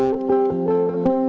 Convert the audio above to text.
lalu dia nyaman